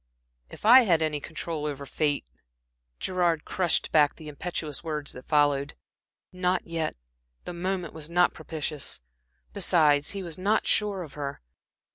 "If I had any control over fate" Gerard crushed back the impetuous words that followed. Not yet the moment was not propitious. Besides, he was not sure of her.